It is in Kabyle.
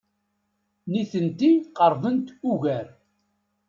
Nitenti qerbent ugar.